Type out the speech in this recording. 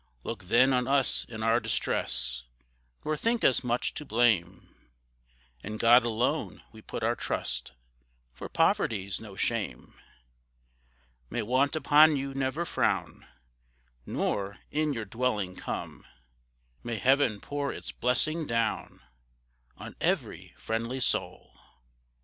Look then on us in our distress, Nor think us much to blame, In God alone we put our trust, For poverty's no shame. May want upon you never frown, Nor in your dwelling come; May Heaven pour its blessing down, On every friendly soul.